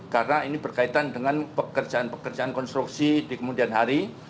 karena ini berkaitan dengan pekerjaan pekerjaan konstruksi di kemudian hari